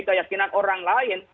keyakinan orang lain